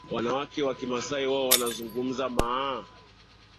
Wanawake wa Kimasai Wao wanazungumza Maa